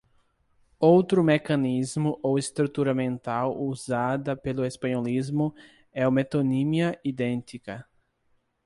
Outro mecanismo ou estrutura mental usada pelo espanholismo é a metonímia idêntica.